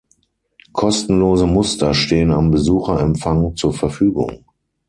Kostenlose Muster stehen am Besucherempfang zur Verfügung.